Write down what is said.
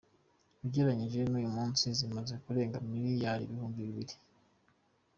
Ugereranyije n’uyu munsi zimaze kurenga miliyari ibihumbi bibiri.